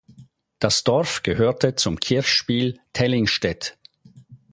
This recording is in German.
Das Dorf gehörte zum Kirchspiel Tellingstedt.